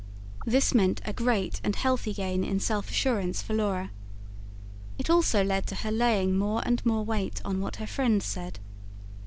This meant a great and healthy gain in self assurance for Laura. It also led to her laying more and more weight on what her friend said.